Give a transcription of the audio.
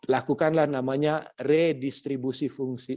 lakukanlah namanya redistribusi fungsi